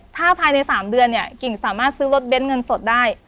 ถ้าภายใน๓เดือนเนี่ยกิ่งสามารถซื้อรถเน้นเงินสดได้